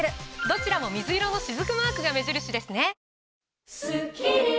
どちらも水色のしずくマークが目印ですね！